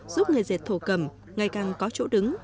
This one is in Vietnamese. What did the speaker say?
giúp người dệt thổ cầm ngày càng có chỗ đứng